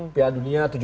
pihak dunia tujuh belas